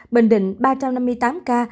bình định ba trăm năm mươi tám ca